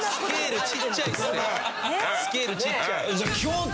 スケールちっちゃいですって。